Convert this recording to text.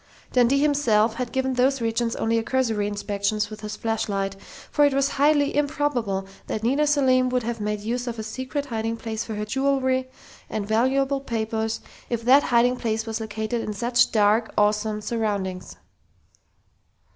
Dundee himself had given those regions only a cursory inspection with his flashlight, for it was highly improbable that Nita Selim would have made use of a secret hiding place for her jewelry and valuable papers, if that hiding place was located in such dark, awesome surroundings.